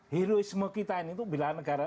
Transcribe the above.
heroisme kita ini tuh bela negara